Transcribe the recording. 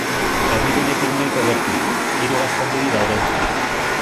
Herrigunetik nahiko gertu, hiru gaztandegi daude.